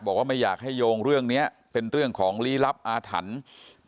บอกว่าไม่อยากให้โยงเรื่องนี้เป็นเรื่องของลี้ลับอาถรรพ์